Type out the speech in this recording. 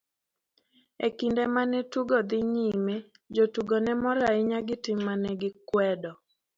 E kinde mane tugo dhi nyime, jotugo ne mor ahinya gi tim mane gikwedo.